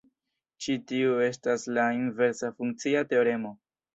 Ĉi tiu estas la inversa funkcia teoremo.